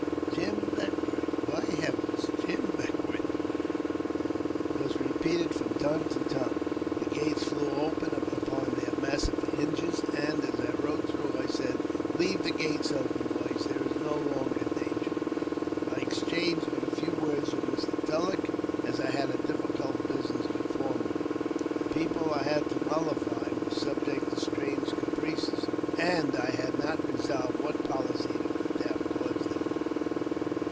*' Jim Beckwourth ! By heavens, Jim Beckwourth !" repeated from tongue to tongue. The gates flew open upon their massive hinges, and, as I rode through, I said, "Leave the gates open, boys ; there is no longer danger." I exchanged but a few words with Mr. TuUeck, as I had difficult business before me. The people I had to mo were subject to strange caprices, and I had not resolved whai policy to adopt toward them.